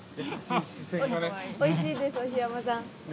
おいしいです、押山さん。